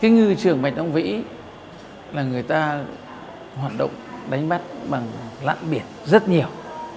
người trưởng bạch đông vĩ là người ta hoạt động đánh bắt bằng lặn biển rất nhiều